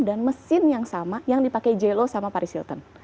dan mesin yang sama yang dipakai j lo sama paris hilton